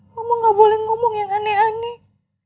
kamu gak boleh ngomong yang aneh aneh